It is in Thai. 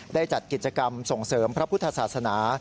ได้จัดกิจกรรมส่งเสริมพระพุทธศาสนา